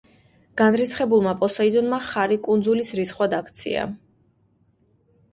განრისხებულმა პოსეიდონმა ხარი კუნძულის რისხვად აქცია.